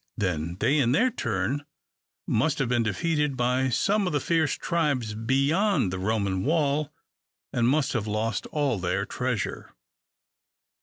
Then they, in their turn, must have been defeated by some of the fierce tribes beyond the Roman wall, and must have lost all their treasure.